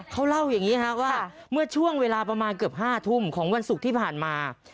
เขาเล่าอย่างนี้ว่าเมื่อช่วงเวลาประมาณเกือบ๕ทุ่มของวันศุกร์ที่ผ่านมา